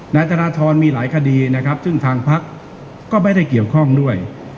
นายธนทรมีหลายคดีนะครับซึ่งทางพักก็ไม่ได้เกี่ยวข้องด้วย